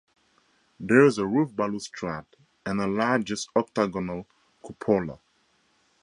There is a roof balustrade and a largish, octagonal cupola.